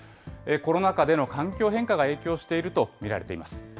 コロナ禍での環境変化が影響していると見られています。